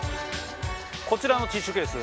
こちらのティッシュケース。